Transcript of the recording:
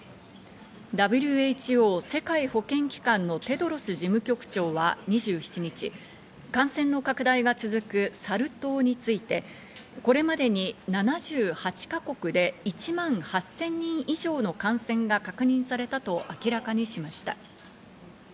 ＷＨＯ＝世界保健機関のテドロス事務局長は２７日、感染の拡大が続くサル痘について、これまでに７８か国で１万８０００人以上の感染が確認されたと明らかにしました。